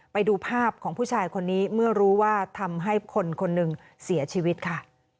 ไปดูภาพของผู้ชายคนนี้เมื่อรู้ว่าทำให้คนคนหนึ่งเสียชีวิตค่ะ